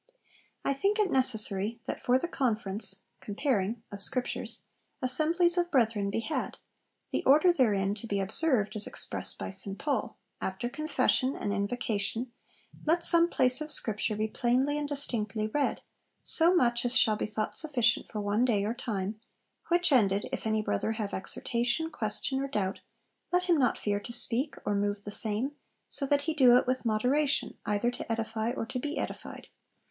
'I think it necessary that for the conference [comparing] of Scriptures, assemblies of brethren be had. The order therein to be observed is expressed by St Paul,' ... after 'confession' and 'invocation,' 'let some place of Scripture be plainly and distinctly read, so much as shall be thought sufficient for one day or time, which ended, if any brother have exhortation, question, or doubt, let him not fear to speak or move the same, so that he do it with moderation, either to edify or to be edified.